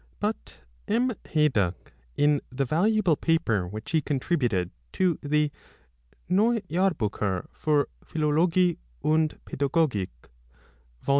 But M. Hayduck, in the valuable paper which he contributed to the Xeuc Jahrbncher filr Philologie und Paedagogik (vol.